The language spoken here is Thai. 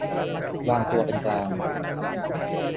วางตัวเป็นกลาง